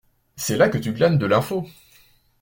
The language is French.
C’est là que tu glanes de l’info.